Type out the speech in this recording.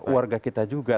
warga kita juga